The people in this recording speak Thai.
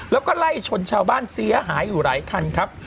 แล้วก็ไล่ชนชาวบ้านเสียหายอยู่หลายคันครับ